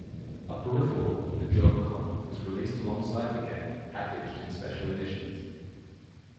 A peripheral, the JogCon, was released alongside the game, packaged in special editions.